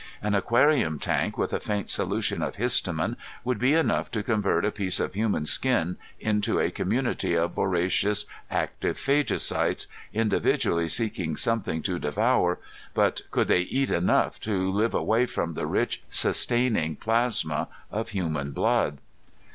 An aquarium tank with a faint solution of histamine would be enough to convert a piece of human skin into a community of voracious active phagocytes individually seeking something to devour, but could they eat enough to live away from the rich sustaining plasma of human blood?